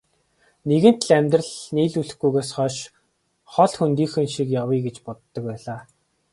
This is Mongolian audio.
Нэгэнт л амьдрал нийлүүлэхгүйгээс хойш хол хөндийхөн шиг явъя гэж боддог байлаа.